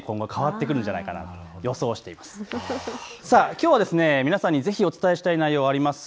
きょうは皆さんにぜひお伝えしたい内容があります。